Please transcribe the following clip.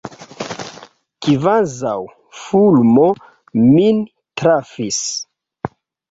Kvazaŭ fulmo min trafis.